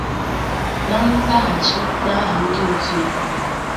Na nzaghachi n'aha ndị òtù ya